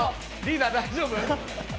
リーダー大丈夫？